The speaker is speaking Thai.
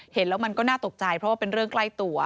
เห็นแล้วมันก็น่าตกใจเพราะว่าเป็นเรื่องใกล้ตัว